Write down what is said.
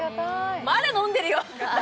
まだ飲んでるよ。